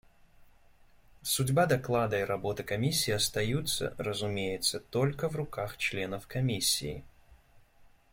Судьба доклада и работа Комиссии остаются, разумеется, только в руках членов Комиссии.